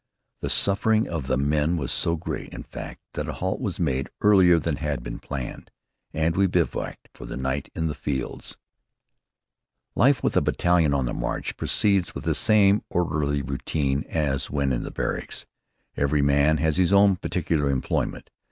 The suffering of the men was so great, in fact, that a halt was made earlier than had been planned, and we bivouacked for the night in the fields. Life with a battalion on the march proceeds with the same orderly routine as when in barracks. Every man has his own particular employment.